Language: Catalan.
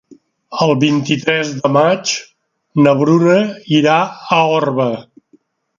El vint-i-tres de maig na Bruna irà a Orba.